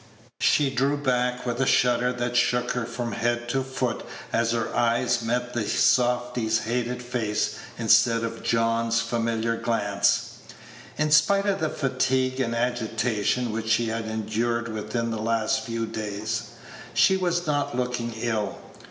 She drew back with a shudder that shook her from head to foot as her eyes met the softy's hated face instead of John's familiar glance. In spite of the fatigue and agitation which she had endured within the last few days, she was not looking ill.